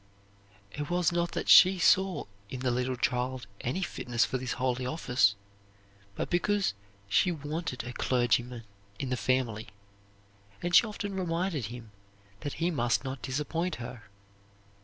It was not that she saw in the little child any fitness for this holy office, but because she wanted a clergyman in the family, and she often reminded him that he must not disappoint her.